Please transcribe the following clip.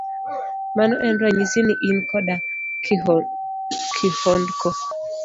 Mano en ranyisi ni in koda kihondko.